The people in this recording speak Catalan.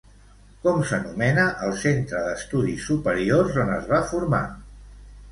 Com s'anomena el centre d'estudis superiors on es va formar?